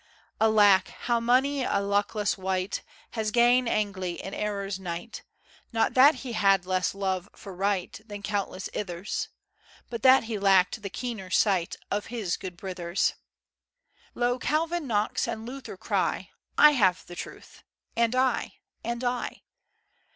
Alack! how mony a luckless wight Has gane agley[G] in Error's night, Not that he had less love for right Than countless ithers; But that he lacked the keener sight Of his guid brithers. Lo! Calvin, Knox, and Luther, cry "I have the Truth" "and I" "and I."